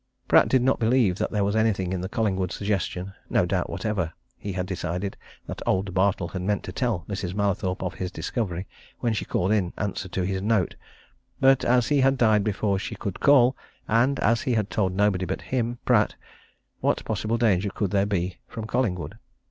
Pratt did not believe that there was anything in the Collingwood suggestion no doubt whatever, he had decided, that old Bartle had meant to tell Mrs. Mallathorpe of his discovery when she called in answer to his note, but as he had died before she could call, and as he had told nobody but him, Pratt, what possible danger could there be from Collingwood?